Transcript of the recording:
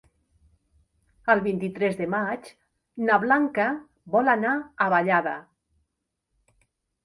El vint-i-tres de maig na Blanca vol anar a Vallada.